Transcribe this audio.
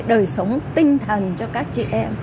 đời sống tinh thần cho các chị em